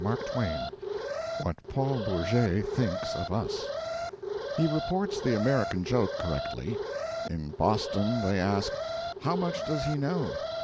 PAUL BOURGET WHAT PAUL BOURGET THINKS OF US He reports the American joke correctly. In Boston they ask, How much does he know?